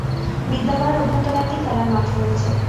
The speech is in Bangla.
বিদ্যালয়ের অভ্যন্তরে একটি খেলার মাঠ রয়েছে।